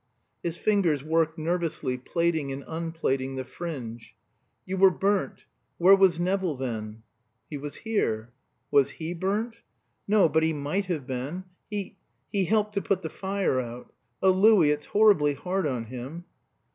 His fingers worked nervously, plaiting and unplaiting the fringe. "You were burnt. Where was Nevill then?" "He was here." "Was he burnt?" "No; but he might have been. He he helped to put the fire out. Oh, Louis, it's horribly hard on him!"